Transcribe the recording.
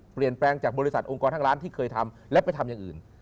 เปลี่ยนแปลงจากบริษัทองค์กรทางร้านที่เคยทำและไปทำอย่างอื่น